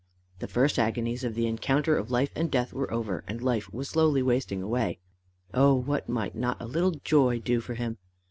The first agonies of the encounter of life and death were over, and life was slowly wasting away. Oh what might not a little joy do for him!